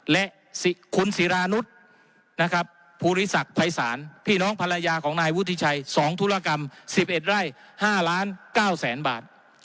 และคุณศิรานุษย์ภูริษักร์ไพรศาลพี่น้องภรรยาของนายวุฒิชัย๒ธุรกรรม๑๑ไร่๕๙๐๐๐๐๐บาท